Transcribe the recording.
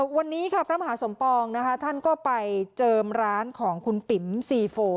วันนี้ค่ะพระมหาสมปองนะคะท่านก็ไปเจิมร้านของคุณปิ๋มซีโฟ